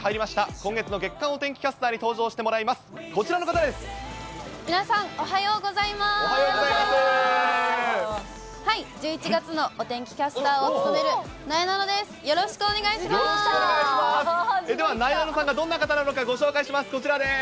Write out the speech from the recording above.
今月の月間お天気キャスターに登場皆さん、おはようございます。